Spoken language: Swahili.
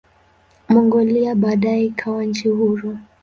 Mongolia baadaye ikawa nchi huru.